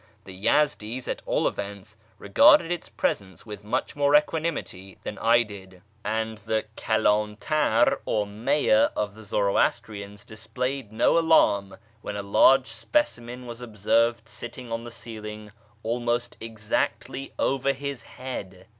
The Yezdis, at all events, regarded its presence with much more equanimity than I did, and the Kaldntar, or mayor, of the Zoroastrians displayed no alarm when a large specimen was observed sitting on the ceiling almost exactly over his head.